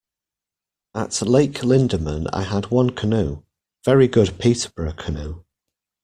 At Lake Linderman I had one canoe, very good Peterborough canoe.